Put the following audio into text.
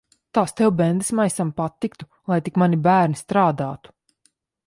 Tas tev, bendesmaisam, patiktu. Lai tik mani bērni strādātu.